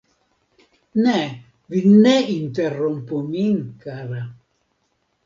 Ne, vi ne interrompu min, kara !